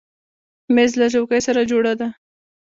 مېز له چوکۍ سره جوړه ده.